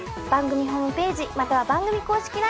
番組ホームページまたは番組公式